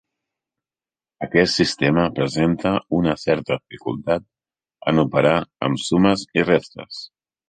Aquest sistema presenta una certa dificultat en operar amb sumes i restes.